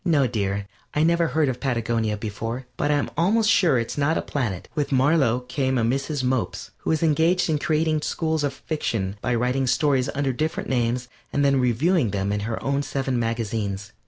No, dear, I never heard of Patagonia before, but I'm almost sure it's not a planet. With Marlow came a Mrs. Mopes, who is engaged in creating schools of fiction by writing stories under different names and then reviewing them in her own seven magazines.